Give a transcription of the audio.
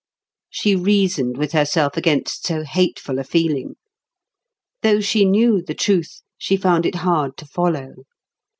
She reasoned with herself against so hateful a feeling. Though she knew the truth, she found it hard to follow.